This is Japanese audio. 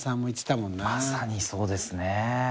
まさにそうですね。